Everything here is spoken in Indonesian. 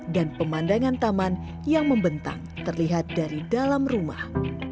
dan pemandangan taman yang membentang terlihat dari dalam rumah